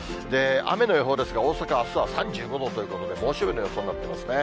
雨の予報ですが、大阪、あすは３５度ということで、猛暑日の予想になってますね。